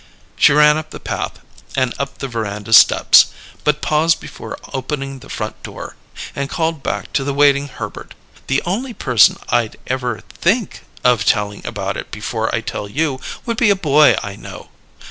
She ran up the path and up the veranda steps, but paused before opening the front door, and called back to the waiting Herbert: "The only person I'd ever think of tellin' about it before I tell you would be a boy I know."